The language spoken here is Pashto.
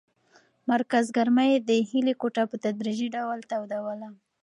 مرکز ګرمۍ د هیلې کوټه په تدریجي ډول تودوله.